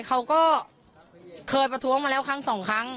เขาก็เคยประท้วงมาแล้วครั้งสองครั้ง